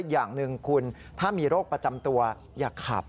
อย่างหนึ่งคุณถ้ามีโรคประจำตัวอย่าขับ